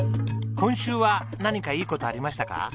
今週は何かいい事ありましたか？